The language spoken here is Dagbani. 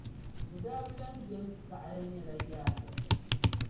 bɛ daa bi lan doli zaɣila nyɛla yaakaza.